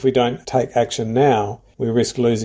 jika kita tidak mengambil tindakan sekarang